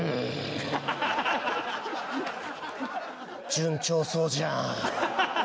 順調そうじゃん。